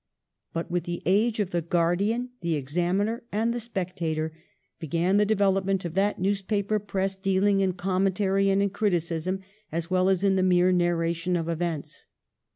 But with the age of ' The Guardian,' ' The Examiner,' and ' The Spec tator ' began the development of that newspaper press deahng in commentary and in criticism as well as in the mere narration of events.